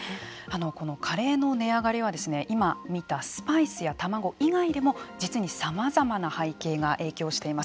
カレーの値上がりは今見たスパイスや卵以外でも実にさまざまな背景が影響しています。